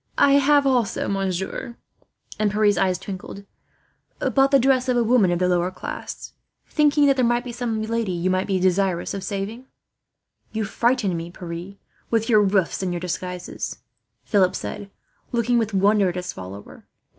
"I have also, monsieur," and Pierre's eyes twinkled, "bought the dress of a woman of the lower class, thinking that there might be some lady you might be desirous of saving." "You frighten me, Pierre, with your roofs and your disguises," Philip said, looking with wonder at his follower.